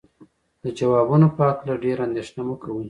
د ځوابونو په هکله ډېره اندېښنه مه کوئ.